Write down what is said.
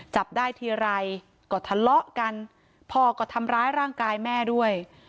จับได้ทีไรก็ทะเลาะกันพ่อก็ทำร้ายร่างกายแม่ด้วย